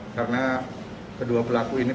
karena kedua pelaku ini